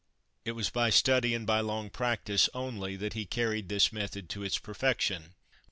It was by study and by long practice only that he carried this method to its perfection.